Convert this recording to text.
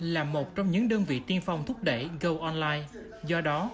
là một trong những đơn vị tiên phong thúc đẩy goonline do đó